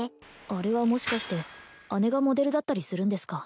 あれはもしかして姉がモデルだったりするんですか？